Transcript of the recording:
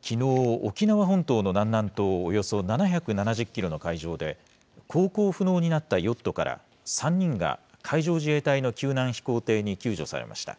きのう、沖縄本島の南南東およそ７７０キロの海上で、航行不能になったヨットから、３人が海上自衛隊の救難飛行艇に救助されました。